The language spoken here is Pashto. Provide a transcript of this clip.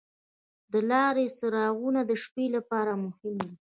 د لارې څراغونه د شپې لپاره مهم دي.